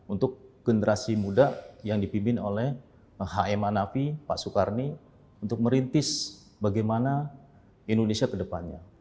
untuk generasi muda yang dipimpin oleh hm anafi pak soekarno untuk merintis bagaimana indonesia kedepannya